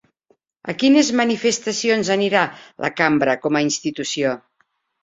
A quines manifestacions anirà la Cambra com a institució?